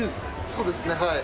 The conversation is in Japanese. そうですねはい。